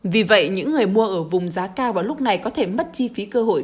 vì vậy những người mua ở vùng giá cao vào lúc này có thể mất chi phí cơ hội